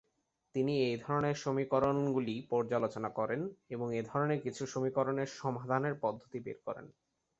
তিনি এই ধরনের সমীকরণগুলি পর্যালোচনা করেন এবং এ ধরনের কিছু সমীকরণের সমাধানের পদ্ধতি বের করেন।